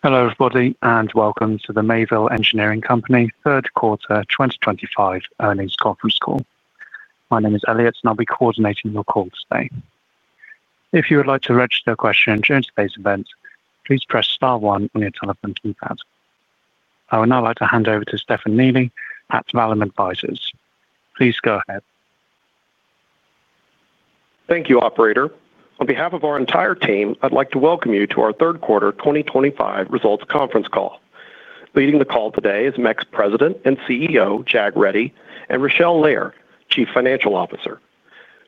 Hello everybody and welcome to the Mayville Engineering Company third quarter 2025 earnings conference call. My name is Elliot and I'll be coordinating your call today. If you would like to register a question during today's event, please press star one on your telephone keypad. I would now like to hand over to Stefan Neely at Vallum Advisors. Please go ahead. Thank you, operator. On behalf of our entire team, I'd like to welcome you to our third quarter 2025 results conference call. Leading the call today is MEC's President and CEO Jag Reddy and Rochelle Lehrer, Chief Financial Officer.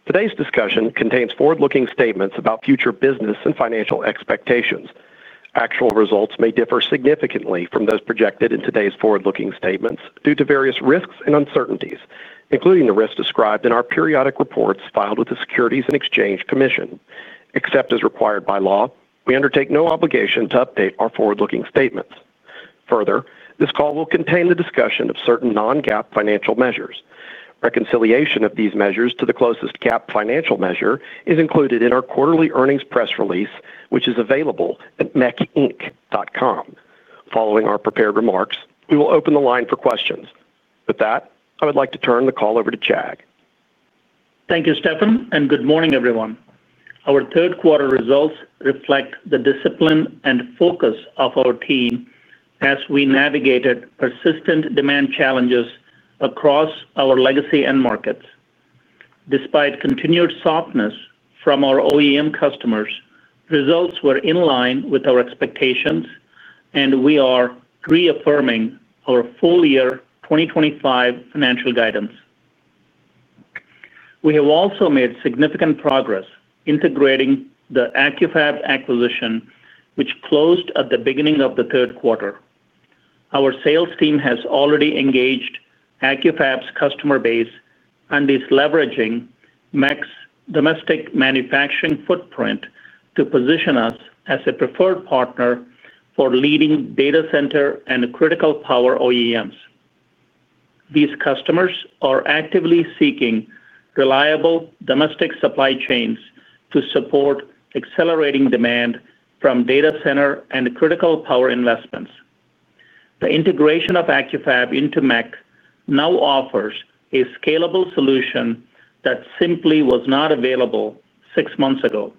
Today's discussion contains forward-looking statements about future business and financial expectations. Actual results may differ significantly from those projected in today's forward-looking statements due to various risks and uncertainties, including the risks described in our periodic reports filed with the Securities and Exchange Commission. Except as required by law, we undertake no obligation to update our forward-looking statements further. This call will contain the discussion of certain non-GAAP financial measures. Reconciliation of these measures to the closest GAAP financial measure is included in our quarterly earnings press release which is available at mecinc.com. Following our prepared remarks, we will open the line for questions. With that, I would like to turn the call over to Jag. Thank you, Stefan, and good morning everyone. Our third quarter results reflect the discipline and focus of our team as we navigated persistent demand challenges across our legacy end markets. Despite continued softness from our OEM customers, results were in line with our expectations and we are reaffirming our full year 2025 financial guidance. We have also made significant progress integrating the Accu-Fab acquisition, which closed at the beginning of the third quarter. Our sales team has already engaged Accu-Fab's customer base and is leveraging MEC's domestic manufacturing footprint to position us as a preferred partner for leading data center and critical power OEMs. These customers are actively seeking reliable domestic supply chains to support accelerating demand from data center and critical power investments. The integration of Accu-Fab into MEC now offers a scalable solution that simply was not available six months ago.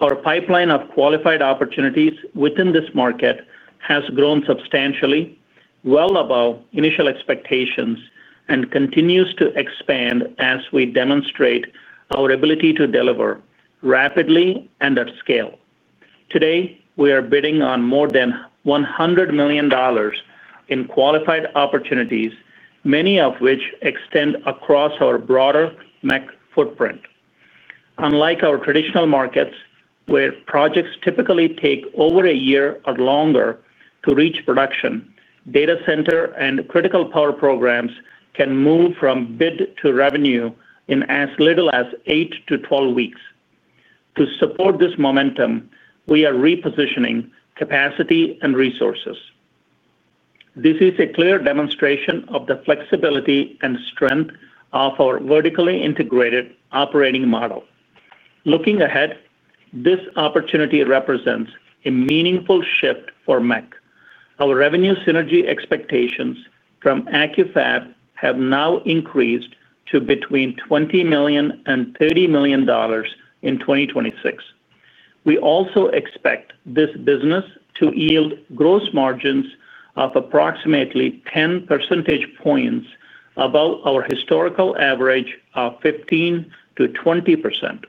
Our pipeline of qualified opportunities within this market has grown substantially, well above initial expectations, and continues to expand as we demonstrate our ability to deliver rapidly and at scale. Today we are bidding on more than $100 million in qualified opportunities, many of which extend across our broader MEC footprint. Unlike our traditional markets, where projects typically take over a year or longer to reach production, data center and critical power programs can move from bid to revenue in as little as 8-12 weeks. To support this momentum, we are repositioning capacity and resources. This is a clear demonstration of the flexibility and strength of our vertically integrated operating model. Looking ahead, this opportunity represents a meaningful shift for MEC. Our revenue synergy expectations from Accu-Fab have now increased to between $20 million and $30 million in 2026. We also expect this business to yield gross margins of approximately 10 percentage points above our historical average of 15%-20%.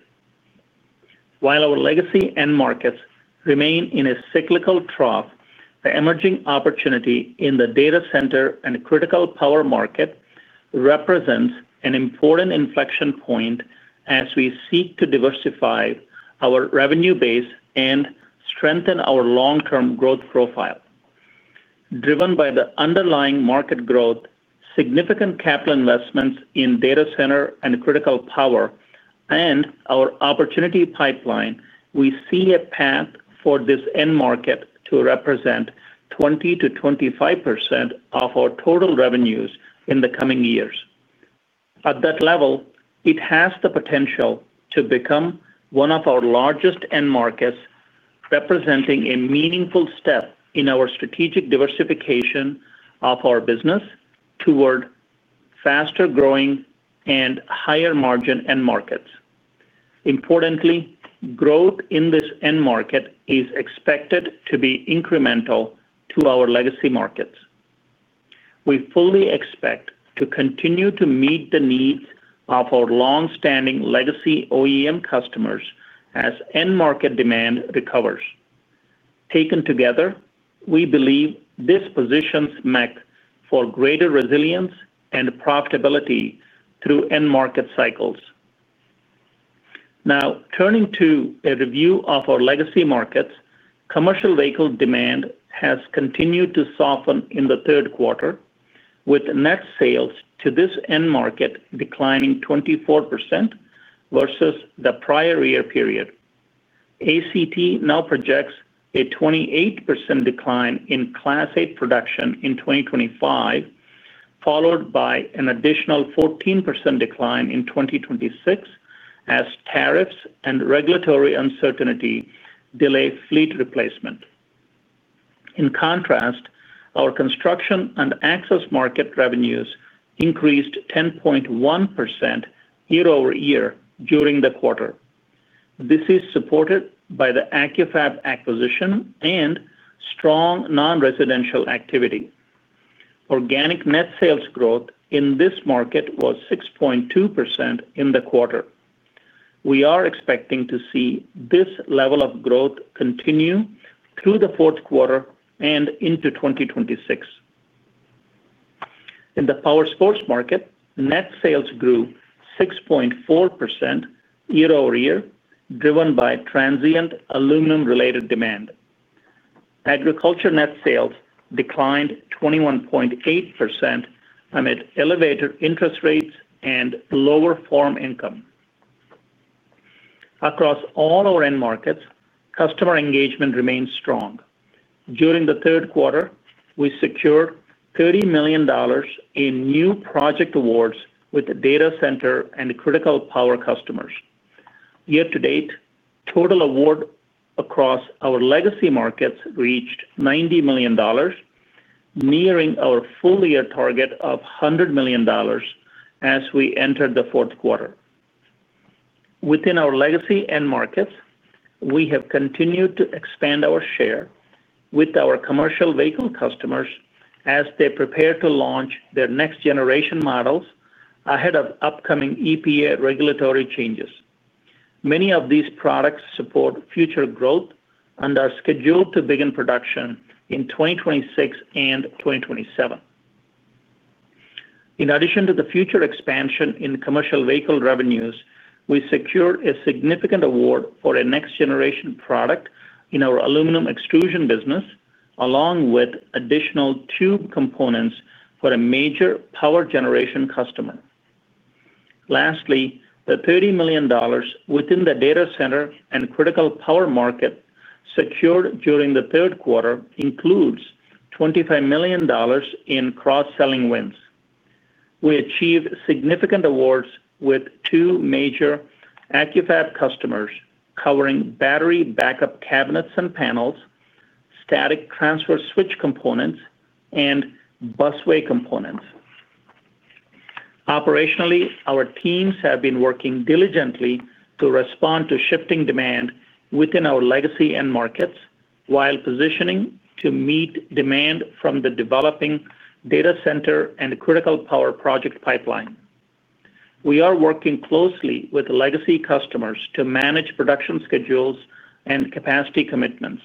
While our legacy end markets remain in a cyclical trough. The emerging opportunity in the data center and critical power market represents an important inflection point as we seek to diversify our revenue base and strengthen our long-term growth profile. Driven by the underlying market growth, significant capital investments in data center and critical power and our opportunity pipeline, we see a path for this end market to represent 20%-25% of our total revenues in the coming years. At that level, it has the potential to become one of our largest end markets, representing a meaningful step in our strategic diversification of our business toward faster growing and higher margin end markets. Importantly, growth in this end market is expected to be incremental to our legacy markets. We fully expect to continue to meet the needs of our long standing legacy OEM customers as end market demand recovers. Taken together, we believe this positions MEC for greater resilience and profitability through end market cycles. Now turning to a review of our legacy markets, commercial vehicle demand has continued to soften in the third quarter with net sales to this end market declining 24% versus the prior year period. ACT now projects a 28% decline in Class 8 production in 2025 followed by an additional 14% decline in 2026 as tariffs and regulatory uncertainty delay fleet replacement. In contrast, our construction and access market revenues increased 10.1% year-over-year during the quarter. This is supported by the Accu-Fab acquisition and strong non residential activity. Organic net sales growth in this market was 6.2% in the quarter. We are expecting to see this level of growth continue through the fourth quarter and into 2026. In the power sports market, net sales grew 6.4% year-over-year driven by transient aluminum related demand. Agriculture net sales declined 21.8% amid elevated. Interest rates and lower farm income. Across all our end markets, customer engagement remains strong. During the third quarter we secured $30 million in new project awards with data center and critical power customers. Year to date, total award across our legacy markets reached $90 million, nearing our full year target of $100 million as we entered the fourth quarter. Within our legacy end markets, we have continued to expand our share with our commercial vehicle customers as they prepare to launch their next generation models ahead of upcoming EPA regulatory changes. Many of these products support future growth and are scheduled to begin production in 2026 and 2027. In addition to the future expansion in commercial vehicle revenues, we secured a significant award for a next generation product in our aluminum extrusion business along with additional tube components for a major power generation customer. Lastly, the $30 million within the data center and critical power market secured during the third quarter includes $25 million in cross selling wins. We achieved significant awards with two major Accu-Fab customers covering battery backup cabinets and panels, static transfer switch components and busway components. Operationally, our teams have been working diligently to respond to shifting demand within our legacy end markets while positioning to meet demand from the developing data center and critical power project pipeline. We are working closely with legacy customers to manage production schedules and capacity commitments.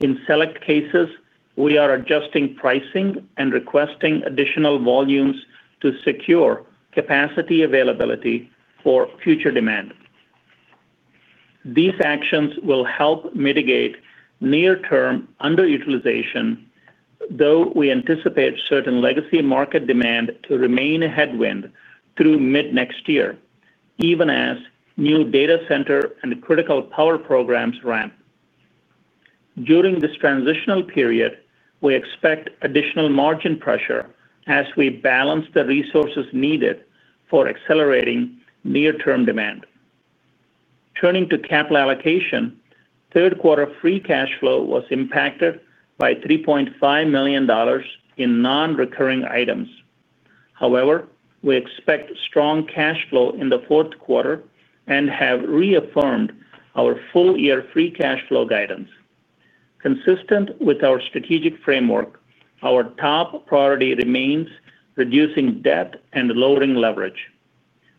In select cases, we are adjusting pricing and requesting additional volumes to secure capacity availability for future demand. These actions will help mitigate near term underutilization. Though we anticipate certain legacy market demand to remain a headwind through mid next year, even as new data center and critical power programs ramp during this transitional period, we expect additional margin pressure as we balance the resources needed for accelerating near term demand. Turning to capital allocation, third quarter free cash flow was impacted by $3.5 million in nonrecurring items. However, we expect strong cash flow in the fourth quarter and have reaffirmed our full year free cash flow guidance consistent with our strategic framework. Our top priority remains reducing debt and lowering leverage.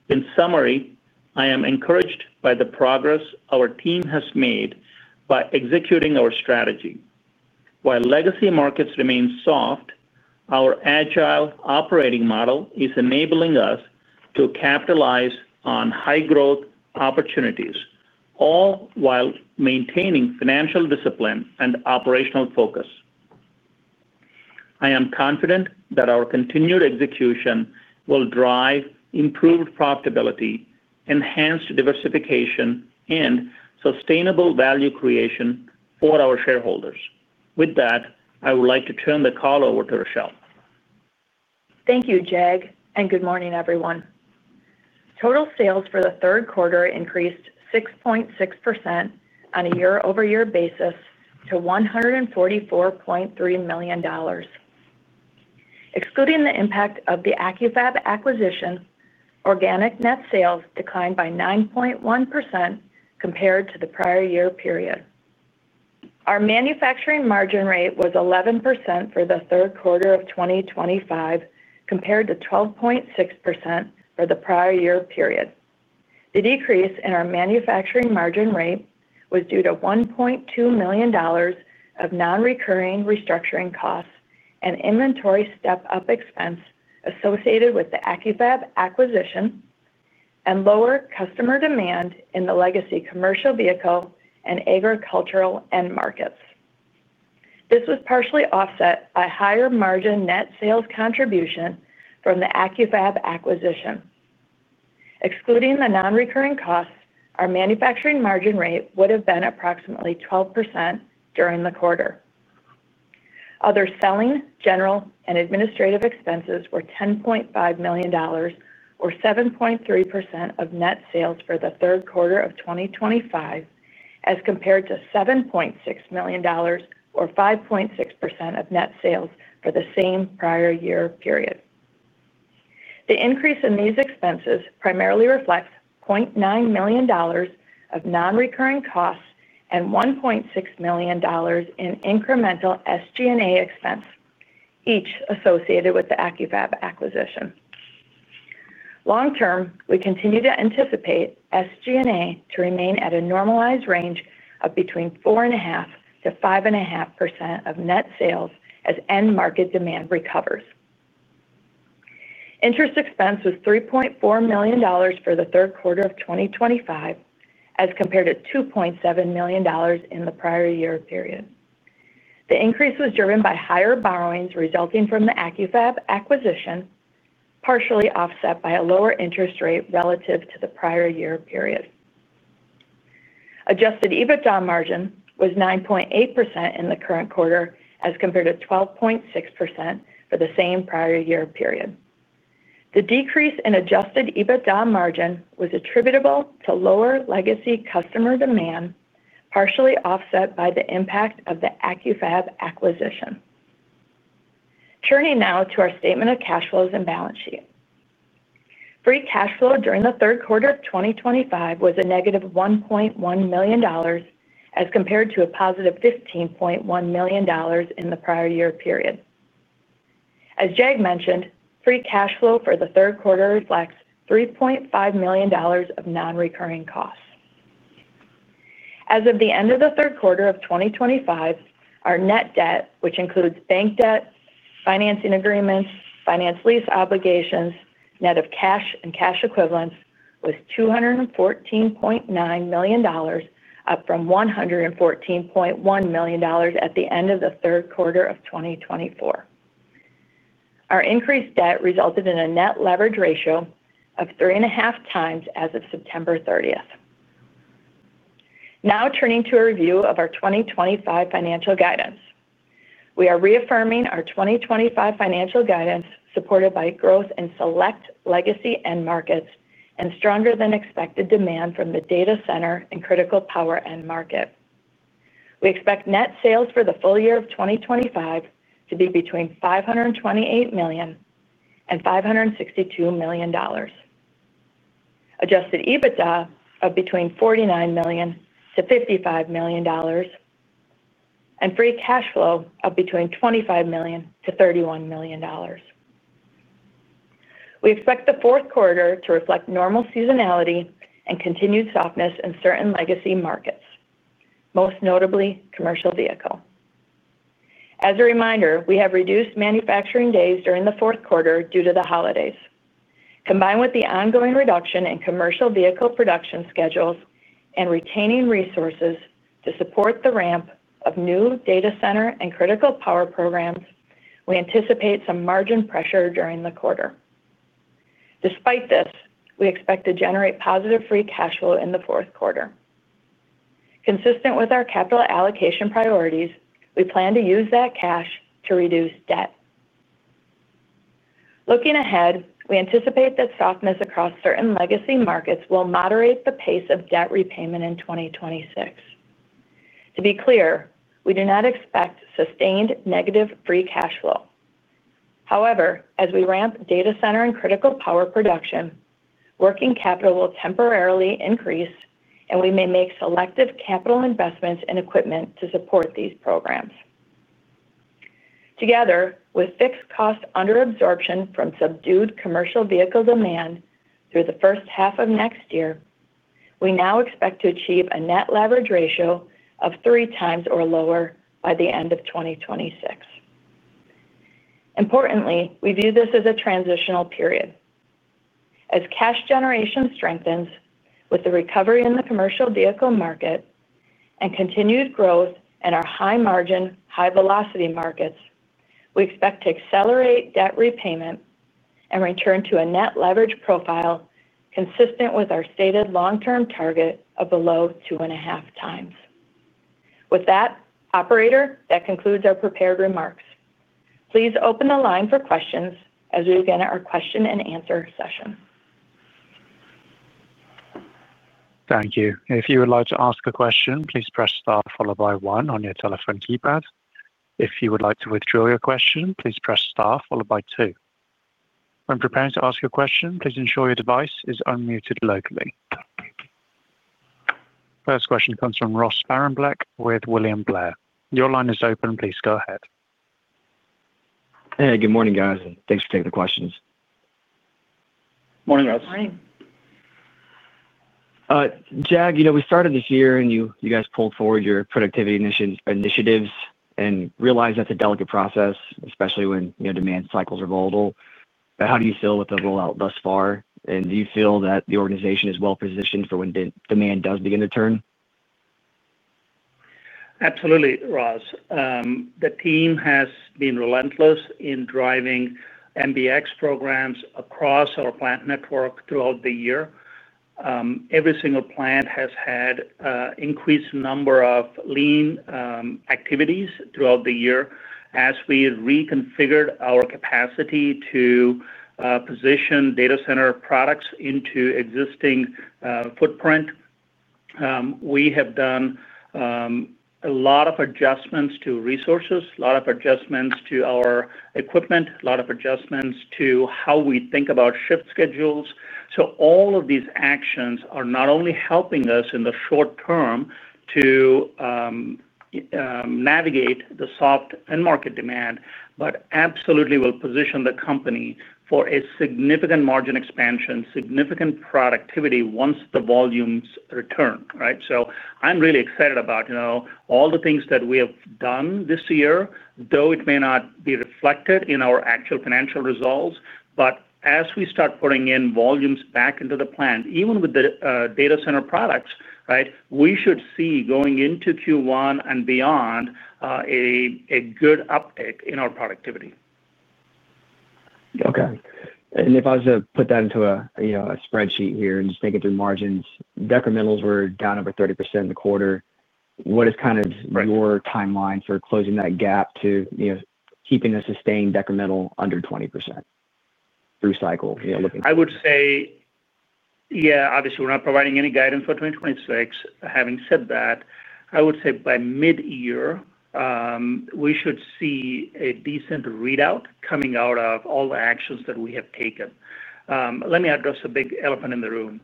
In summary, I am encouraged by the progress our team has made by executing our strategy. While legacy markets remain soft, our agile operating model is enabling us to capitalize on high growth opportunities all while maintaining financial discipline and operational focus. I am confident that our continued execution will drive improved profitability, enhanced diversification and sustainable value creation for our shareholders. With that, I would like to turn the call over to Rachele. Thank you Jag and good morning everyone. Total sales for the third quarter increased 6.6% on a year-over-year basis to $144.3 million. Excluding the impact of the Accu-Fab acquisition, organic net sales declined by 9.1% compared to the prior year period. Our manufacturing margin rate was 11% for the third quarter of 2025 compared to 12.6% for the prior year period. The decrease in our manufacturing margin rate was due to $1.2 million of non recurring restructuring costs and inventory step up expense associated with the Accu-Fab acquisition and lower customer demand in the legacy commercial vehicle and agricultural end markets. This was partially offset by higher margin net sales contribution from the Accu-Fab acquisition. Excluding the non recurring costs, our manufacturing margin rate would have been approximately 12% during the quarter. Other selling, general and administrative expenses were $10.5 million or 7.3% of net sales for the third quarter of 2025 as compared to $7.6 million or 5.6% of net sales for the same prior year period. The increase in these expenses primarily reflects $0.9 million of non-recurring costs and $1.6 million in incremental SG&A expense each associated with the Accu-Fab acquisition. Long term, we continue to anticipate SG&A to remain at a normalized range of between 4.5%-5.5% of net sales as end market demand recovers. Interest expense was $3.4 million for the third quarter of 2025 as compared to $2.7 million in the prior year period. The increase was driven by higher borrowings resulting from the Accu-Fab acquisition, partially offset by a lower interest rate relative to the prior year period. Adjusted EBITDA margin was 9.8% in the current quarter as compared to 12.6% for the same prior year period. The decrease in adjusted EBITDA margin was attributable to lower legacy customer demand partially offset by the impact of the Accu-Fab acquisition. Turning now to our statement of cash flows and balance sheet, free cash flow during the third quarter of 2025 was a $-1.1 million as compared to a +$15.1 million in the prior year period. As Jag mentioned, free cash flow for the third quarter reflects $3.5 million of non recurring costs as of the end of the third quarter of 2025. Our net debt, which includes bank debt, financing agreements, finance lease obligations, net of cash and cash equivalents was $214.9 million, up from $114.1 million at the end of the third quarter of 2024. Our increased debt resulted in a net leverage ratio of 3.5x as of September 30th. Now turning to a review of our 2025 financial guidance, we are reaffirming our 2025 financial guidance supported by growth in select legacy end markets and stronger than expected demand from the data center and critical power end market, we expect net sales for the full year of 2025 to be between $528 million and $562 million. Adjusted EBITDA of between $49 million to $55 million and free cash flow of between $25 million to $31 million. We expect the fourth quarter to reflect normal seasonality and continued softness in certain legacy markets, most notably commercial vehicle. As a reminder, we have reduced manufacturing days during the fourth quarter due to the holidays. Combined with the ongoing reduction in commercial vehicle production schedules and retaining resources to support the ramp of new data center and critical power programs, we anticipate some margin pressure during the quarter. Despite this, we expect to generate positive free cash flow in the fourth quarter. Consistent with our capital allocation priorities, we plan to use that cash to reduce debt. Looking ahead, we anticipate that softness across certain legacy markets will moderate the pace of debt repayment in 2026. To be clear, we do not expect sustained negative free cash flow. However, as we ramp data center and critical power production, working capital will temporarily increase and we may make selective capital investments in equipment to support these programs. Together with fixed cost under absorption from subdued commercial vehicle demand through the first half of next year, we now expect to achieve a net leverage ratio of 3x or lower by the end of 2026. Importantly, we view this as a transitional period. As cash generation strengthens with the recovery in the commercial vehicle market and continued growth in our high margin high velocity markets, we expect to accelerate debt repayment and return to a net leverage profile consistent with our stated long term target of below 2.5x. That concludes our prepared remarks. Please open the line for questions as we begin our question and answer session. Thank you. If you would like to ask a question, please press star followed by one on your telephone keypad. If you would like to withdraw your question, please press star followed by two. When preparing to ask your question, please ensure your device is unmuted locally. First question comes from Ross Sparenblek with William Blair. Your line is open. Please go ahead. Hey, good morning guys and thanks for taking the questions. Morning, Ross. Jag, you know we started this year. You guys pulled forward your productivity initiatives and realize that's a delicate process, especially when demand cycles are volatile. How do you feel with the rollout thus far and do you feel that the organization is well positioned for when demand does begin to turn? Absolutely. Ross, the team has been relentless in driving MBX programs across our plant network throughout the year. Every single plant has had increased number of lean activities throughout the year as we reconfigured our capacity to position data center products into existing footprint. We have done a lot of adjustments to resources, a lot of adjustments to our equipment, a lot of adjustments to how we think about shift schedules. All of these actions are not only helping us in the short term to navigate the soft end market demand, but absolutely will position the company for a significant margin expansion, significant productivity once the volumes return. Right. I am really excited about all the things that we have done this year, though it may not be reflected in our actual financial results. As we start putting in volumes back into the plant, even with the data center products, right, we should see going into Q1 and beyond a good uptick in our productivity. Okay. If I was to put that. Into a spreadsheet here and just thinking through margins, decrementals were down over 30% in the quarter. What is kind of your timeline for closing that gap to keeping a sustained decremental under 20% through cycle? I would say yeah, obviously we're not providing any guidance for 2026. Having said that, I would say by mid year we should see a decent readout coming out of all the actions. That we have taken. Let me address a big elephant in the room.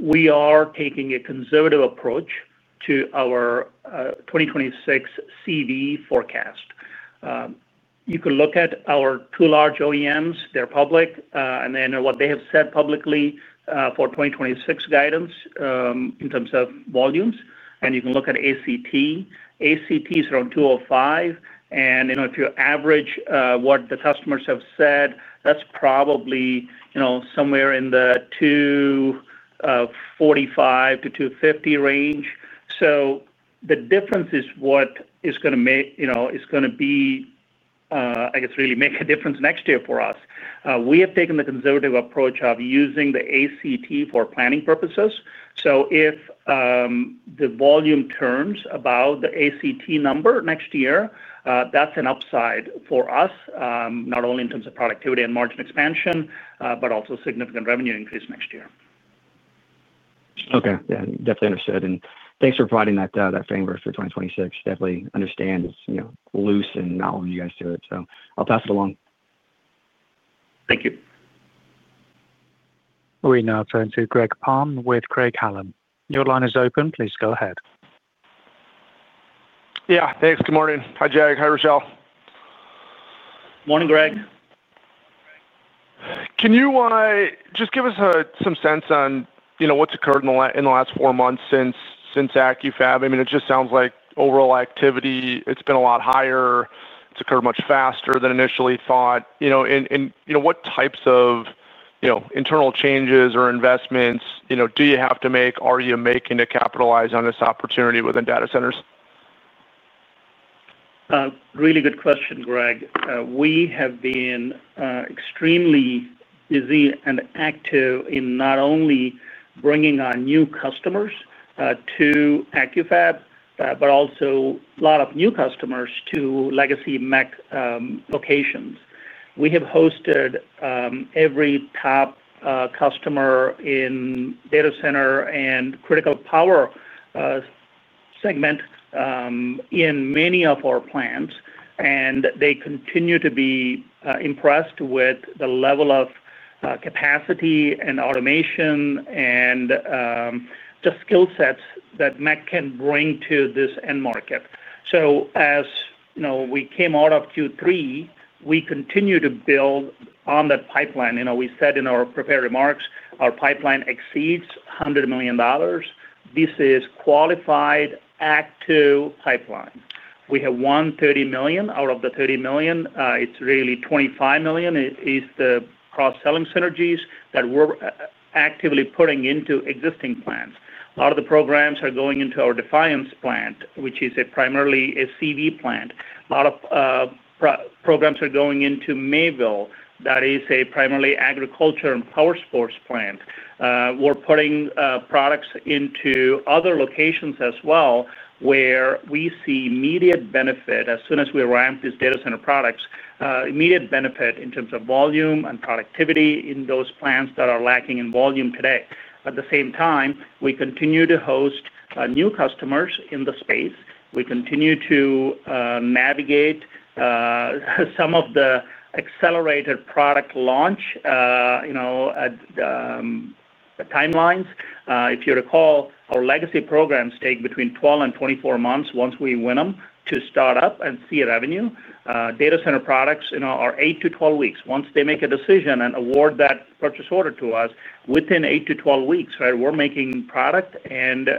We are taking a conservative approach to our 2026 CV forecast. You can look at our two large OEMs, they're public and then what they have said publicly for 2026 guidance in terms of volumes. You can look at ACT. ACT is around 205. And you know, if you average what the customers have said, that's probably, you know, somewhere in the 245-250 range. The difference is what is going to make, you know, it's going to be, I guess, really make a difference next year for us. We have taken the conservative approach of using the ACT for planning purposes. If the volume turns about the ACT number next year, that's an upside for us not only in terms of productivity and margin expansion, but also significant revenue increase next year. Okay, definitely understood and thanks for providing that framework for 2026. Definitely understand it's, you know, loose and not wanting you guys to it, so I'll pass it along. Thank you. We now turn to Greg Palm with Craig-Hallum. Your line is open. Please go ahead. Yeah, thanks. Good morning. Hi Jag. Hi Rochelle. Morning, Greg. Can you just give us some sense on, you know, what's occurred in the last four months since, since Accu-Fab? I mean, it just sounds like overall activity, it's been a lot higher. It's occurred much faster than initially thought, you know, and you know, what types of, you know, internal changes or investments, you know, do you have to make or are you making to capitalize on this opportunity within data centers? Really good question, Greg. We have been extremely busy and active in not only bringing our new customers to Accu-Fab, but also a lot of new customers to legacy MEC locations. We have hosted every top customer in data center and critical power segment in many of our plants and they continue to be impressed with the level of capacity and automation and just skill sets that MEC can bring to this end market. As we came out of Q3, we continue to build on that pipeline. We said in our prepared remarks our pipeline exceeds $100 million. This is qualified active pipeline. We have $130 million out of the $30 million. It is really $25 million is the cross selling synergies that we are actively putting into existing plants. A lot of the programs are going into our Defiance plant which is primarily a CV plant. A lot of programs are going into Mayville, that is a primarily agriculture and power sports plant. We're putting products into other locations as well where we see immediate benefit as soon as we arrive, these data center products, immediate benefit in terms of volume and productivity in those plants that are lacking in volume today. At the same time, we continue to host new customers in the space. We continue to navigate some of the accelerated product launch timelines. If you recall, our legacy programs take between 12 and 24 months. Once we win them to start up and see revenue, data center products are 8-12 weeks. Once they make a decision and award that purchase order to us, within 8-12 weeks we're making product and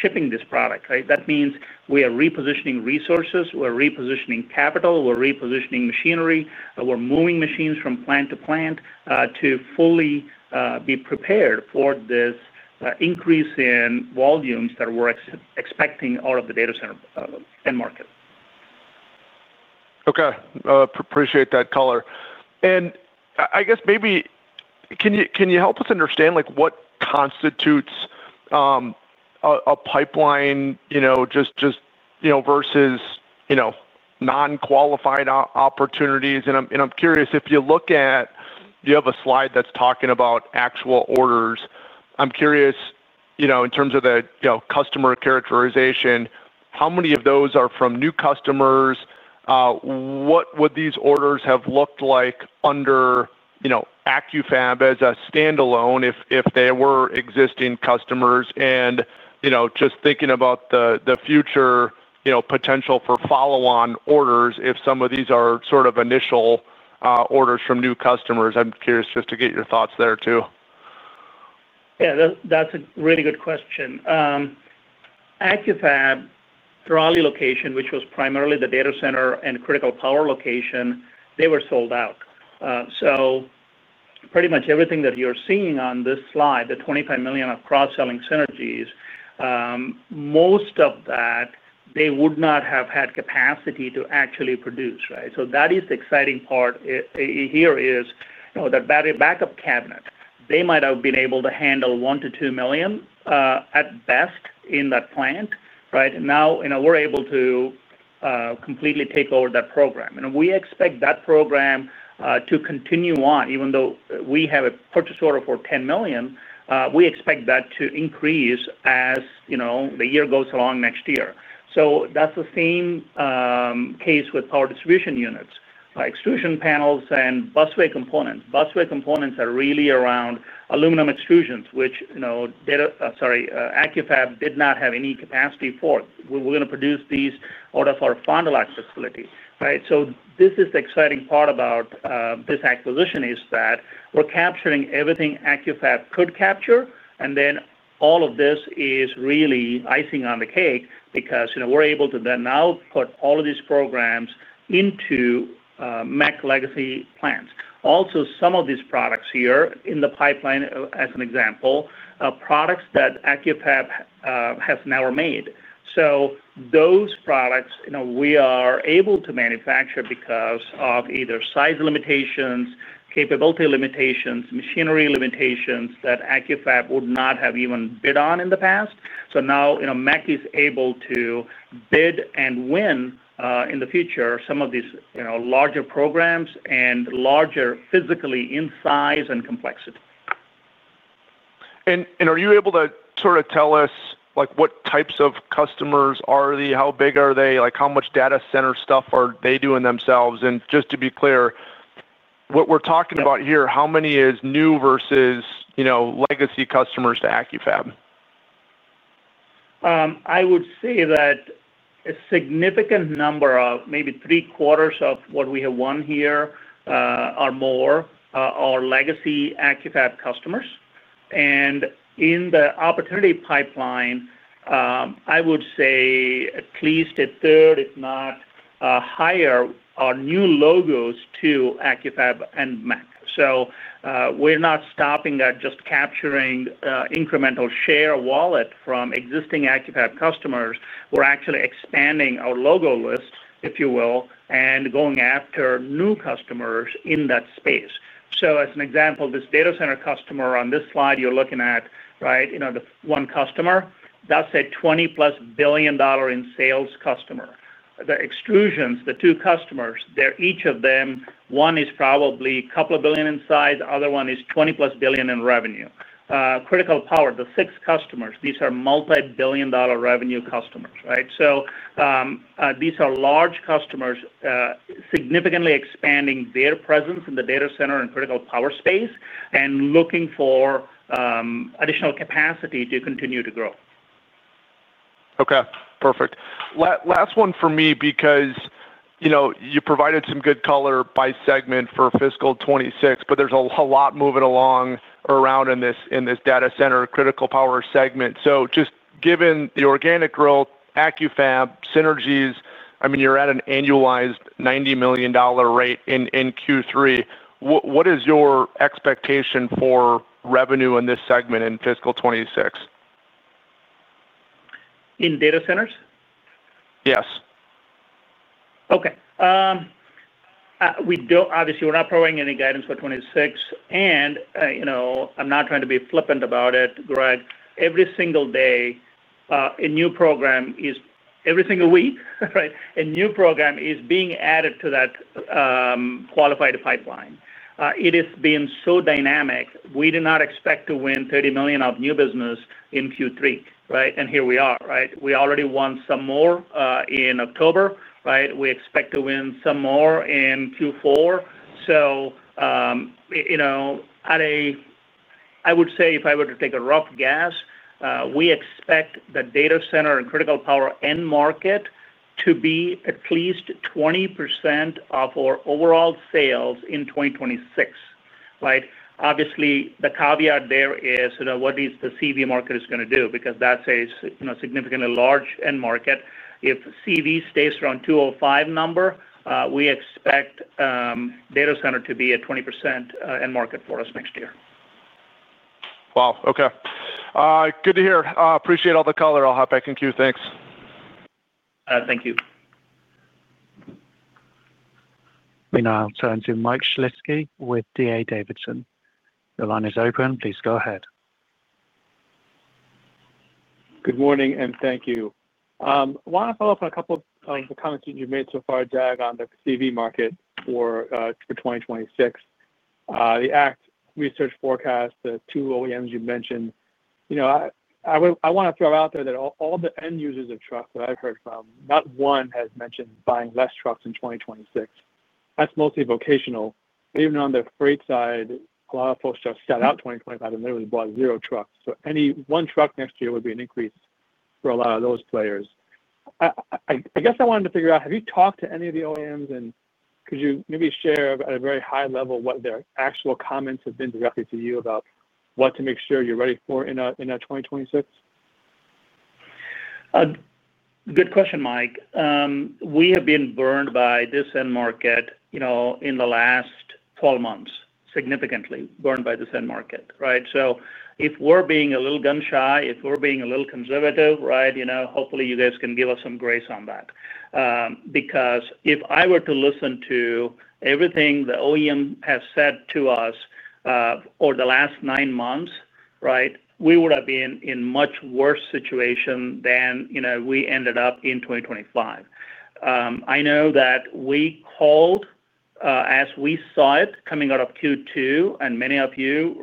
shipping this product. That means we are repositioning resources, we're repositioning capital, we're repositioning machinery, we're moving machines from plant to plant to fully be prepared for this increase in volumes that we're expecting out of the data center end market. Okay, appreciate that color and I guess maybe can you, can you help us understand like what constitutes a pipeline? You know, just, just you know, versus, you know, non qualified opportunities. I'm curious if you look at, you have a slide that's talking about actual orders. I'm curious, you know, in terms of the, you know, customer characterization, how many of those are from new customers? What would these orders have looked like under Accu-Fab as a standalone if they were existing customers and just thinking about the future potential for follow on orders if some of these are sort of initial orders from new customers. I'm curious just to get your thoughts there too. Yeah, that's a really good question. Accu-Fab thoroughly location which was primarily the. Data center and critical power location, they were sold out. Pretty much everything that you're seeing on this slide, the $25 million of cross selling synergies, most of that they would not have had capacity to actually produce. That is the exciting part here is that battery backup cabinet, they might have been able to handle $1 million to $2 million at best in that plant. Now we're able to completely take over that program and we expect that program to continue on. Even though we have a purchase order. For $10 million, we expect that to increase. As you know, the year goes along next year. That is the same case with power distribution units, extrusion panels, and busway components. Busway components are really around aluminum extrusions, which Accu-Fab did not have any capacity for. We are going to produce these out of our Fond du Lac facility. This is the exciting part about this acquisition, that we are capturing everything Accu-Fab could capture. All of this is really icing on the cake because we are able to now put all of these programs into MEC legacy plants. Also, some of these products here in the pipeline, as an example, are products that Accu-Fab has never made. Those products we are able to manufacture because of either size limitations, capability limitations, or machinery limitations that Accu-Fab would not have even bid on in the past. Now MEC is able to bid and win in the future some of these larger programs and larger physically in size and complexity. Are you able to sort of tell us like what types of customers are they, how big are they, like how much data center stuff are they doing themselves? Just to be clear, what we are talking about here, how many is new versus, you know, legacy customers to Accu-Fab? I would say that a significant number of maybe three quarters of what we have won here or more are legacy Accu-Fab customers. In the opportunity pipeline, I would say at least a third, if not higher, are new logos to Accu-Fab and MEC. We are not stopping at just capturing incremental share wallet from existing Accu-Fab customers. We are actually expanding our logo list, if you will, and going after new customers in that space. As an example, this data center customer on this slide you are looking at, right, you know, the one customer that is a $20+ billion in sales customer, the extrusions, the two customers, they are each of them, one is probably a couple of billion in size, the other one is $20+ billion in revenue critical power. The six customers, these are multibillion dollar revenue customers. Right. So. These are large customers significantly expanding their presence in the data center and critical power space and looking for additional capacity to continue to grow. Okay, perfect. Last one for me because, you know, you provided some good color by segment for fiscal 2026, but there's a lot moving along around in this data center critical power segment. So just given the organic growth, Accu-Fab synergies, I mean, you're at an annualized $90 million rate in Q3. What is your expectation for revenue in this segment in fiscal 2026? In data centers? Yes. Okay. We do not obviously we are not providing any guidance for 2026. You know, I am not trying to be flippant about it, Greg. Every single day a new program is. Every single week a new program is being added to that qualified pipeline. It has been so dynamic. We did not expect to win $30 million of new business in Q3. Right. Here we are. Right. We already won some more in October. Right. We expect to win some more in Q4. You know, I would say if I were to take a rough guess, we expect the data center and critical power end market to be at least 20% of our overall sales in 2026. Right. Obviously the caveat there is what is the CV market going to do because that is a significantly large end market. If CV stays around 205 number, we expect data center to be at 20% end market for us next year. Wow. Okay, good to hear. Appreciate all the color. I'll hop back in queue, thanks. Thank you. We now turn to Mike Schlisky with DA Davidson. The line is open. Please go ahead. Good morning and thank you. Want to follow up on a couple. Of the comments that you've made so far? Jag on the CV market for 2026, the ACT Research forecast, the two OEMs you mentioned. You know, I want to throw out there that all the end users of trucks that I've heard from, not one has mentioned buying less trucks in 2026. That's mostly vocational. Even on the freight side, a lot of folks just sat out 2025 and literally bought zero trucks. Any one truck next year would be an increase for a lot of those players. I guess I wanted to figure out. Have you talked to any of the? OEMs and could you maybe share at a very high level what their actual comments have been directly to you about what to make sure you're ready for in 2026? Good question, Mike. We have been burned by this end market in the last 12 months, significantly burned by this end market. Right. If we're being a little gun. Shy, if we're being a little conservative, right. You know, hopefully you guys can give us some grace on that. Because if I were to listen to everything the OEM has said to us over the last nine months, right, we would have been in a much worse situation than, you know, we ended up in 2025. I know that we quote hold as we saw it coming out of Q2 and many of you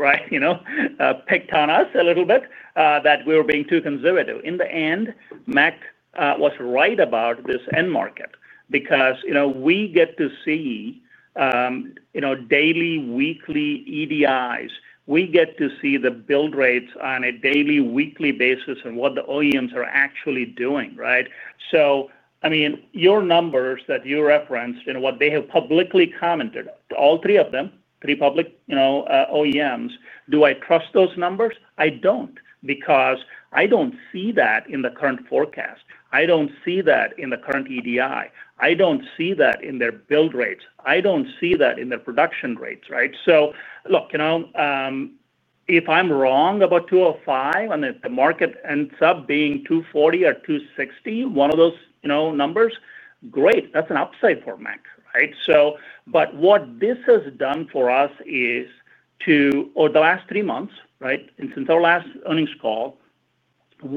picked on us a little bit that we were being too conservative. In the end, MEC was right about. This end market because we get to see daily weekly EDIs, we get to see the build rates on a daily weekly basis and what the OEMs are actually doing, I mean your numbers that you referenced and what they have publicly commented, all three of them, three public OEMs, do I trust those numbers? I do not because I do not see that in the current forecast. I don't see that in the current EDI. I don't see that in their build rates, I don't see that in their production rates. Right. Look, you know, if I'm wrong about 205 and if the market ends up being 240 or 260, one of those, you know, numbers, great, that's an upside for MEC. Right. What this has done for us is over the last three months, right? And since our last earnings call,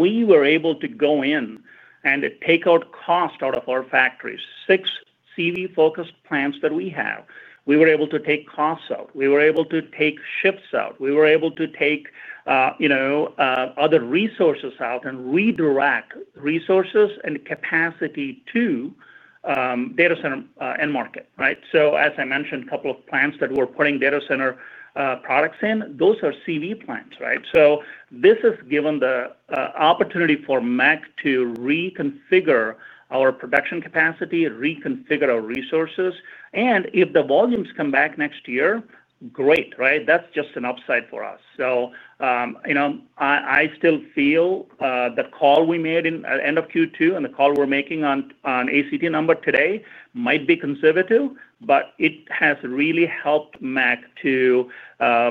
we. Were able to go in and take. Out cost out of our factories, six CV focused plants that we have, we were able to take costs out, we were able to take shifts out, we were able to take, you know, other resources out and redirect resources and capacity to data center end market. Right. As I mentioned, a couple of plants that we're putting data center products in, those are CV plants, right. This has given the opportunity for MEC to reconfigure our production capacity, reconfigure our resources, and if the volumes come back next year, great, right. That's just an upside for us. You know, I still feel the call we made in end of Q2 and the call we're making on ACT number today might be conservative, but it has really helped MEC to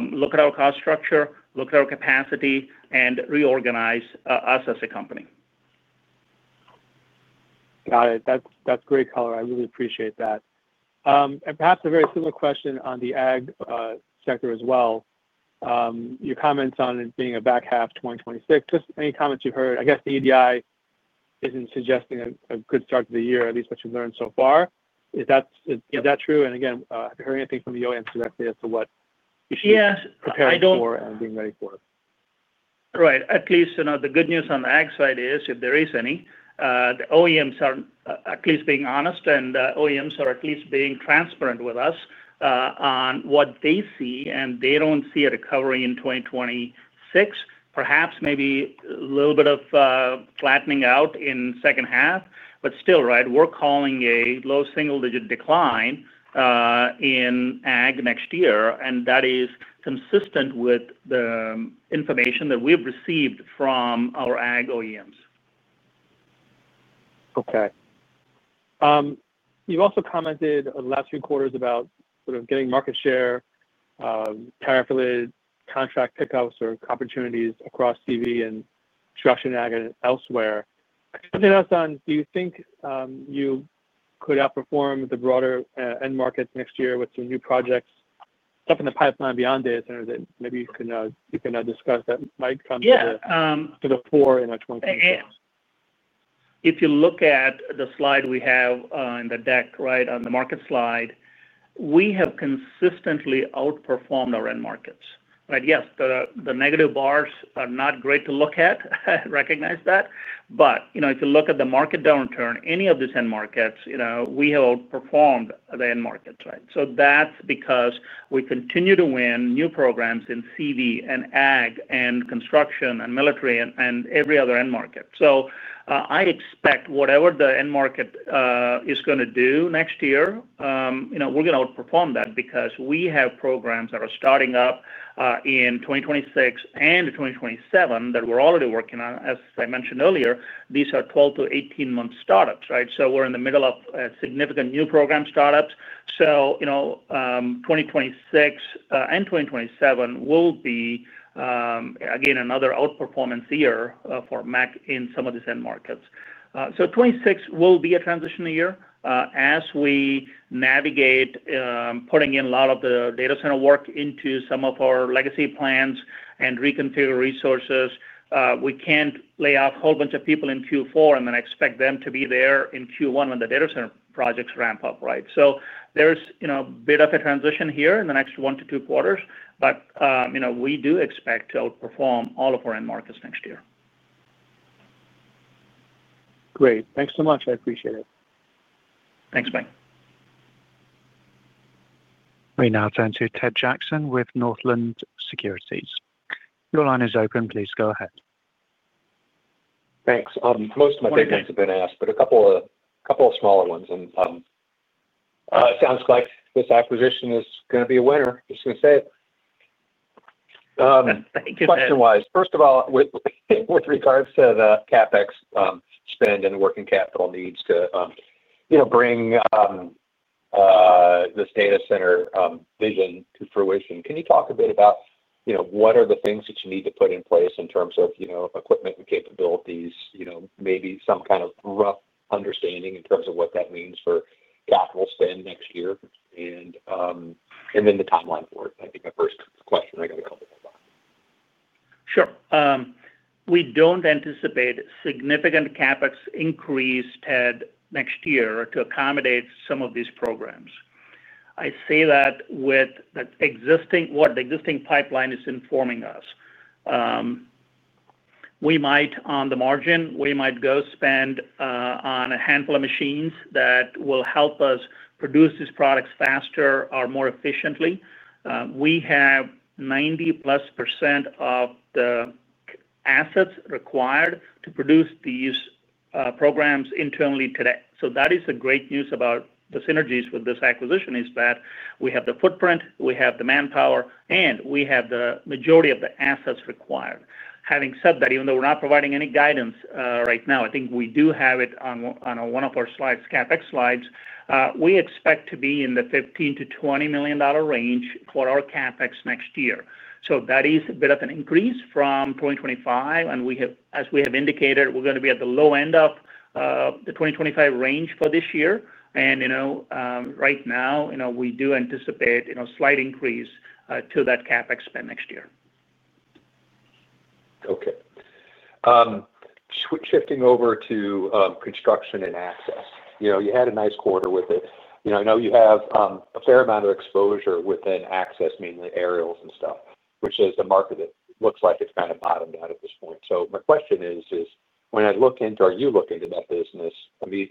look at our cost structure, look at our capacity and reorganize us as a company. Got it. That's great color. I really appreciate that. Perhaps a very similar question on the AG sector as well. Your comments on it being a back half 2026. Just any comments you've heard, I guess the EDI isn't suggesting a good start to the year. At least what you've learned so far. Is that true? Again, hearing anything from the OEMs. Directly as to what you should prepare. For and being ready for. Right. At least the good news on the AG side is if there is any, the OEMs are at least being honest and OEMs are at least being transparent with us on what they see. They do not see a recovery in 2026. Perhaps maybe a little bit of flattening out in second half, but still. Right. We're calling a low single digit decline in ag next year and that is consistent with the information that we've received from our ag OEMs. Okay. You also commented last few quarters about sort of getting market share, tirefully contract pickups or opportunities across CV and elsewhere. Something else on, do you think you could outperform the broader end markets next year with some new projects, stuff in the pipeline beyond data center that maybe you can discuss that might come to the fore in 2020? If you look at the slide we have in the deck right on the market slide, we have consistently outperformed our end markets. Yes, the negative bars are not great to look at, recognize that. If you look at the market downturn, any of these end markets, we have outperformed the end markets. That's because we continue to win new programs in CV and AG and construction and military and every other end market. I expect whatever the end market is going to do next year, we're going to outperform that because we have programs that are starting up in 2026 and 2027 that we're already working on. As I mentioned earlier, these are 12-18 month startups, so we're in the middle of significant new program startups. 2026 and 2027 will be again another outperformance year for MEC in some of these end markets. 2026 will be a transitional year as we navigate putting in a lot of the data center work into some of our legacy plants and reconfigure resources. We can't lay off a whole bunch of people in Q4 and then expect them to be there in Q1 when the data center projects ramp up. Right. So there's a bit of a transition here in the next one to two quarters. But you know, we do expect to outperform all of our end markets next year. Great. Thanks so much. I appreciate it. Thanks Mike. We now turn to Ted Jackson with Northland Securities. Your line is open. Please go ahead. Thanks. Most of my big names have been asked but a couple of, couple of smaller ones and sounds like this acquisition is going to be a winner. Just going to say it. Thank you. Question wise, first of all, with regards to the CapEx spend and working capital needs to, you know, bring this data center vision to fruition. Can you talk a bit about, you know, what are the things that you need to put in place in terms of, you know, equipment and capabilities. You know, maybe some kind of rough understanding in terms of what that means for capital spend next year and then the timeline for it. I think my first question. I got a couple more thoughts. Sure. We do not anticipate significant CapEx increase, Ted, next year to accommodate some of these programs. I say that with what the existing pipeline is informing us, we might on the margin, we might go spend on a handful of machines that will help us produce these products faster or more efficiently. We have 90+% of the assets required to produce these programs internally today. That is the great news about the synergies with this acquisition, is that. We have the footprint, we have the. Manpower and we have the majority of the assets required. Having said that, even though we're not providing any guidance right now, I think we do have it on one of our slides. CapEx slides. We expect to be in the $15 million-$20 million range for our CapEx next year. That is a bit of an increase from 2025. As we have indicated, we're going. To be at the low end of the 2025 range for this year. Right now we do anticipate a slight increase to that CapEx spend next year. Okay. Shifting over to construction and access, you know, you had a nice quarter with it. You know, I know you have a fair amount of exposure within access, mainly aerials and stuff, which is the market that looks like it's kind of bottomed out at this point. My question is, is when I look into are you looking at that business, I mean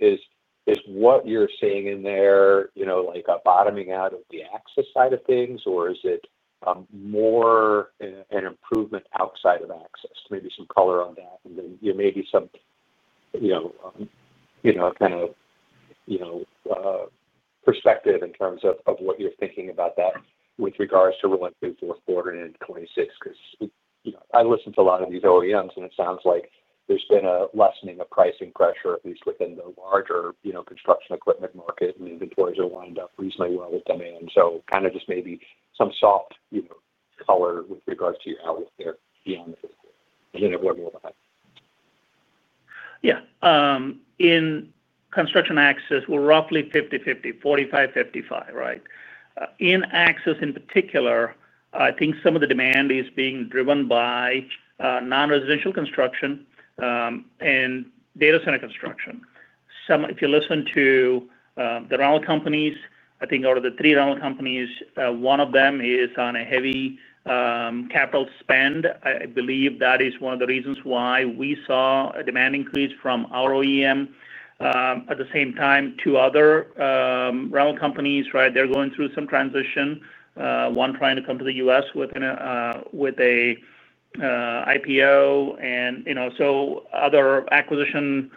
is what you're seeing in there, you know, like a bottoming out of the access side of things or is it more an improvement outside of access? Maybe some color on that and then you, maybe some, you know, you know, kind of, you know, perspective in terms of what you're thinking about that with regards to rolling through fourth quarter and 2026. Because you know, I listen to a lot of these OEMs and it sounds like there's been a lessening of pricing pressure at least within the larger, you know, construction equipment market and inventories are lined up reasonably well with demand. So kind of just maybe some soft color with regards to your outlook there. Beyond the. Yeah. In construction access, we're roughly 50%, 50%, 45%. 55%. Right. In access in particular, I think some of the demand is being driven by nonresidential construction and data center construction. Some if you listen to the rental. Companies, I think out of the three. Rental companies, one of them is on a heavy capital spend. I believe that is one of the reasons why we saw a demand increase from our OEM. At the same time, two other rental companies, right, they're going through some transition. One trying to come to the U.S. with an IPO and so other acquisition,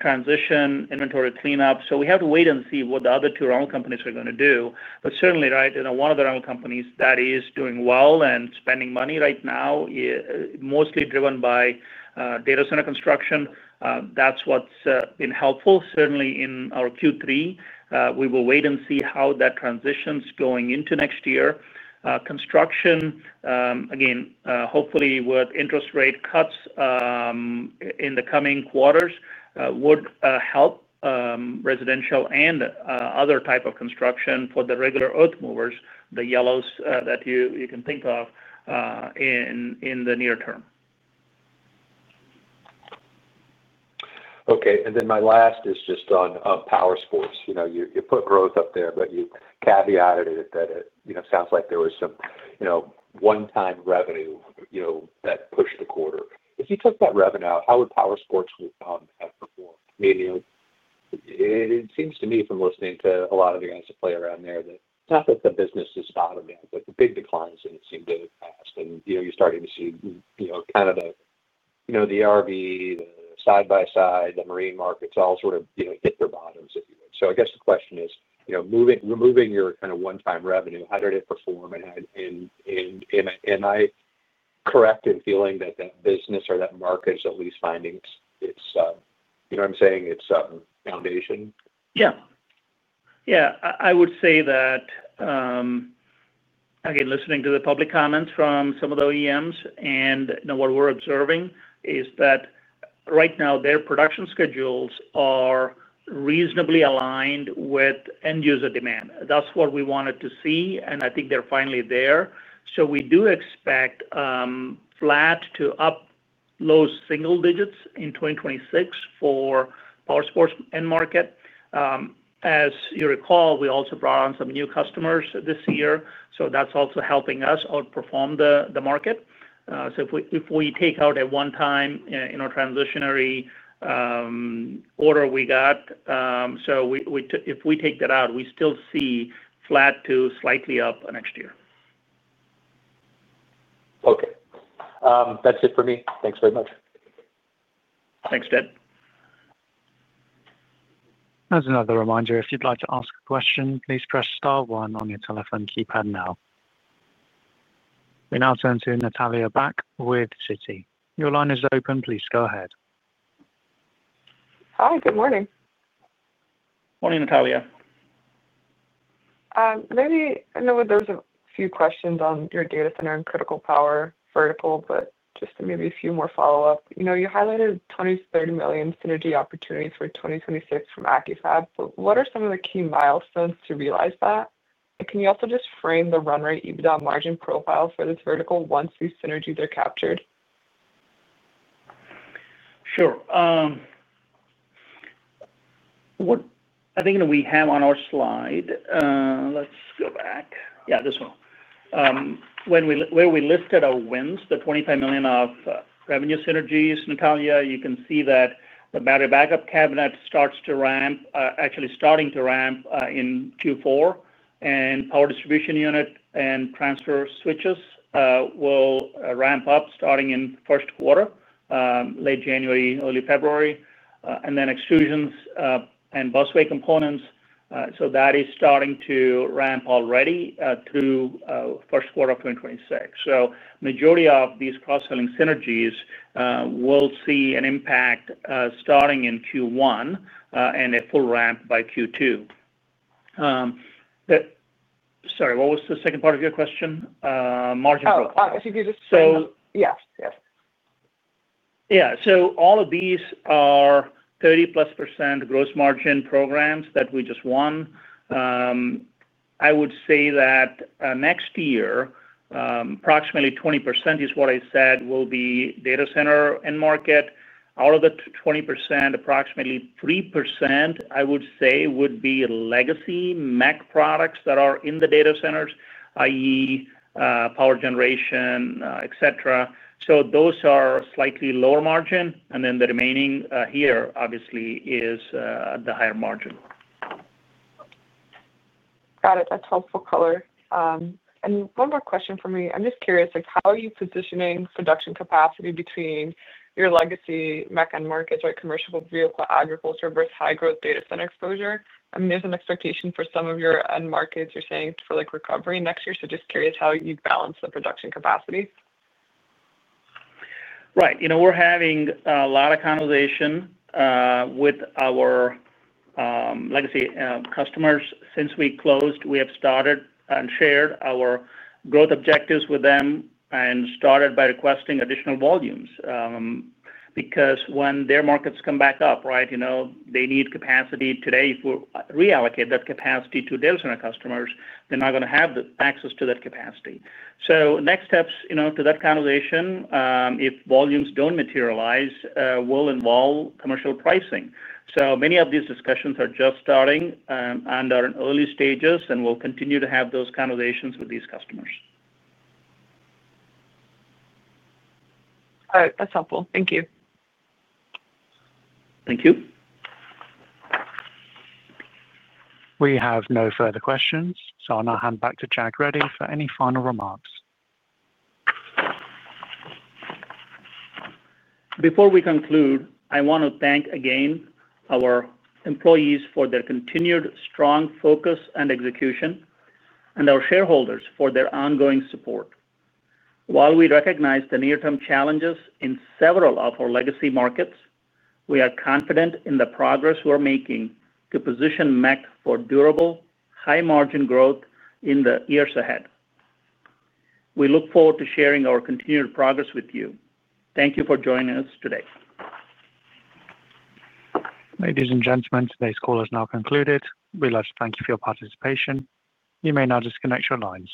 transition, inventory, cleanup. We have to wait and see what the other two rental companies are going to do. Certainly, right, one of the rental companies that is doing well and spending money right now, mostly driven by data center construction. That's what's been helpful certainly in our Q3. We will wait and see how that transitions going into next year. Construction again, hopefully with interest rate cuts in the coming quarters, would help residential and other type of construction for the regular earth movers, the yellows that you can think of. In the near term. Okay. My last is just on Power Sports. You put growth up there but you caveat that it sounds like there was some one-time revenue that pushed the quarter. If you took that revenue out, how would Power Sports have performed? I mean, it seems to me from listening to a lot of the guys that play around there that not that the business is bottom but the big declines seem to pass and you're starting to see kind of the RV, the side by side, the marine markets all sort of hit their bottom, if you would. I guess the question is, removing your kind of one-time revenue, how did it perform? Am I correct in feeling that that business or that market is at least finding its, you know what I'm saying, its foundation? Yeah, yeah. I would say that again listening to the public comments from some of the OEMs and what we're observing is that right now their production schedules are reasonably aligned with end user demand. That's what we wanted to see and I think they're finally there. We do expect flat to up low single digits in 2026 for power sports end market. As you recall, we also brought on some new customers this year. That's also helping us outperform the market. If we take out that one time in our transitionary order we got, if we take that out, we still see flat to slightly up next year. Okay, that's it for me. Thanks very much. Thanks, Ted. As another reminder, if you'd like to ask a question, please press star one on your telephone keypad now. We now turn to Natalia Bak with Citi. Your line is open. Please go ahead. Hi, good morning. Morning, Natalia. I know there's a few questions on your data center and critical power vertical, but just maybe a few more follow up. You know you highlighted Tony's $30 million synergy opportunities for 2026 from Accu-Fab. What are some of the key milestones to realize that? Can you also just frame the run rate EBITDA margin profile for this vertical once these synergies are captured? Sure. I think we have on our slide. Let's go back. Yeah, this one where we listed our wins, the $25 million of revenue synergies. Natalia, you can see that the battery backup cabinet starts to ramp, actually starting to ramp in Q4. Power distribution unit and transfer switches will ramp up starting in first quarter late January, early February. Extrusions and busway components, that is starting to ramp already through first quarter of 2026. Majority of these cross selling synergies will see an impact starting in Q1 and a full ramp by Q2. Sorry, what was the second part of your question? Margin profile. Yes. Yeah. All of these are 30+%` gross margin programs that we just won. I would say that next year approximately 20% is what I said will be data center end market. Out of the 20%, approximately 3% I would say would be legacy MEC products that are in the data centers, i.e. power generation, et cetera. Those are slightly lower margin. The remaining here obviously is the higher margin. Got it. That's helpful. Color. One more question for me. I'm just curious, how are you positioning production capacity between your legacy MEC and markets? Right. Commercial vehicle agriculture versus high growth data center exposure. I mean there's an expectation for some of your end markets you're saying for like recovery next year. Just curious how you balance the production capacity. Right. You know, we're having a lot of conversation with our legacy customers since we closed. We have started and shared our growth objectives with them and started by requesting additional volumes because when their markets come back up. Right. You know, they need capacity today. Reallocate that capacity to data center customers, they're not going to have the access to that capacity. Next steps, you know, to that conversation, if volumes don't materialize, will involve commercial pricing. Many of these discussions are just starting and are in early stages and we'll continue to have those conversations with these customers. All right, that's helpful. Thank you. Thank you. We have no further questions. So I'll now hand back to Jag Reddy for any final remarks. Before we conclude, I want to thank again our employees for their continued strong focus and execution and our shareholders for their ongoing support. While we recognize the near term challenges in several of our legacy markets, we are confident in the progress we're making to position MEC for durable high margin. Growth in the years ahead. We look forward to sharing our continued progress with you. Thank you for joining us today. Ladies and gentlemen, today's call has now concluded. We'd like to thank you for your participation. You may now disconnect your lines.